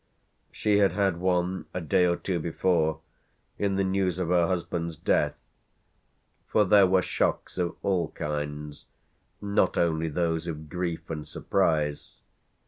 She had had one a day or two before in the news of her husband's death; for there were shocks of all kinds, not only those of grief and surprise.